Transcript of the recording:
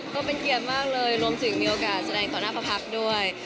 ก็เป็นเกียรติมากเลยรวมถึงมีโอกาสแสดงต่อหน้าพระพักษ์ด้วย